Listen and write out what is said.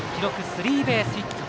スリーベースヒット。